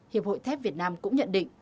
hiệp hội thép việt nam cũng nhận định